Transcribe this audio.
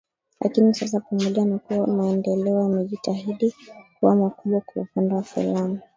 lakini sasa pamoja na kuwa maendeleo yamejitahidi kuwa makubwa kwa upande wa filamu